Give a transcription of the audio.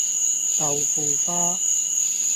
豆腐花